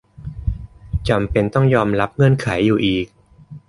จำเป็นต้องยอมรับเงื่อนไขอยู่อีก